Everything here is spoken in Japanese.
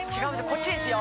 こっちですよ